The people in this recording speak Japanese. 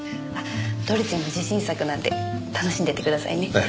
あっドルチェも自信作なんで楽しんでいってくださいね。